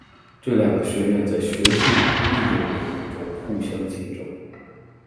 这两个学院在学术和运动领域中互相竞争。